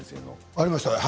ありました。